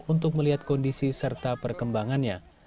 untuk melihat kondisi serta perkembangannya